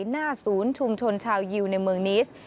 หน้าศูนย์ชุมชนชาวยิวในเมืองนิส